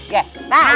nah tuh kan